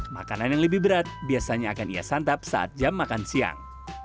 makanan yang lebih berat biasanya akan ia santap saat jam makan siang